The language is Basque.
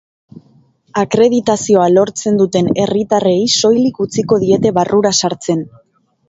Akreditazioa lortzen duten herritarrei soilik utziko diete barrura sartzen.